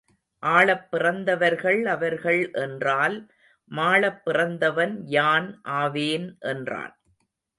ஆளப் பிறந்தவர்கள் அவர்கள் என்றால் மாளப் பிறந்தவன் யான் ஆவேன் என்றான்.